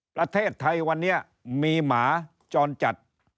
ประเทศไทยวันนี้มีหมาจรจัด